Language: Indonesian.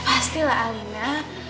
pasti lah alina